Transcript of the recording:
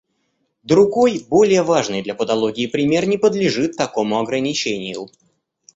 Другой более важный для патологии пример не подлежит такому ограничению.